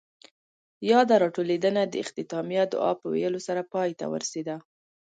ياده راټولېدنه د اختتامیه دعاء پۀ ويلو سره پای ته ورسېده.